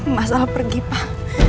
masal pergi pak